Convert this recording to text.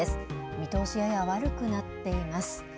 見通しがやや悪くなっています。